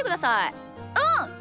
うん。